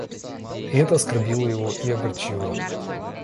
И это его оскорбило и огорчило.